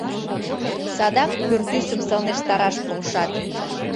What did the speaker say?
Садак пӱртӱсым сылнештараш полшат.